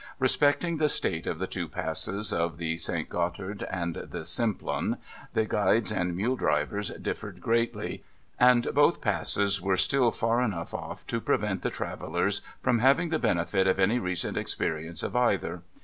Respecting the state of the two Passes of the St. Gotthard and the Simplon, the guides and mule drivers differed greatly ; and both passes were still far enough off, to prevent the travellers from having the benefit of any recent experience of either.